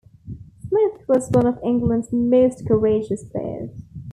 Smith was one of England's most courageous players.